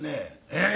ええ。